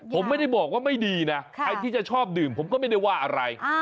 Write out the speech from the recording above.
ผมไม่ได้บอกว่าไม่ดีนะใครที่จะชอบดื่มผมก็ไม่ได้ว่าอะไร